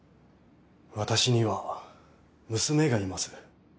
私には娘がいます。